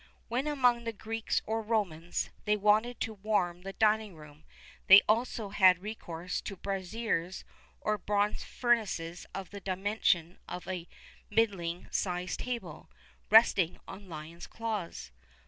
[XXXI 26] When, among the Greeks or Romans, they wanted to warm the dining room, they also had recourse to braziers or bronze furnaces of the dimension of a middling sized table, resting on lion's claws.